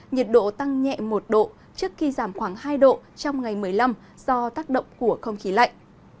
nhiệt độ tăng nhẹ một độ trước khi giảm khoảng hai độ trong ngày một mươi năm do tác động của không khí lạnh